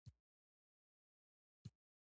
موخه د ادارې د مؤثریت د سطحې لوړول دي.